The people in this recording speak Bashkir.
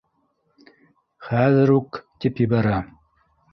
Хәҙер үк, тип ебәрә